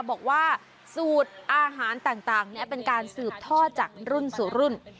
บอกว่าสูตรอาหารต่างเป็นการสืบทอดจากรุ่นสู่รุ่น